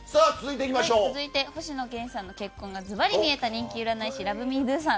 続いて、星野源さんの結婚がずばりみえた人気占い師ＬｏｖｅＭｅＤｏさん